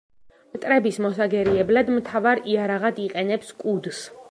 მტრების მოსაგერიებლად მთავარ იარაღად იყენებს კუდს.